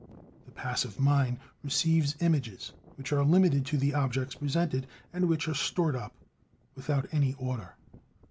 The passive mind receives images, which are limited to the objects presented; and which are "stored up" without any order.